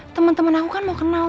temen temen aku kan mau kenal